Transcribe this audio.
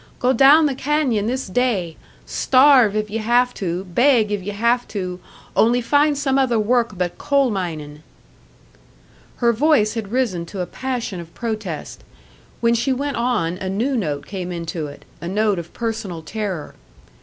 Go down the canyon this day! Starve, if ye have to, beg if ye have to, only find some other work but coal minin'!'" Her voice had risen to a passion of protest; when she went on a new note came into it a note of personal terror.